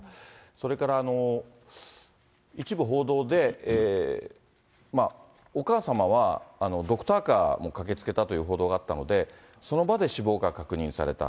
それから一部報道で、お母様はドクターカーも駆けつけたという報道もあったので、その場で死亡が確認された。